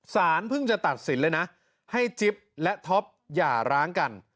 สารเพิ่งจะตัดสินเลยนะให้จิ๊บและท็อปหย่าร้างกัน